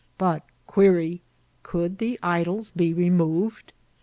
But quere, Could the " idob" be removed